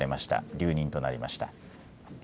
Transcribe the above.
留任となりました。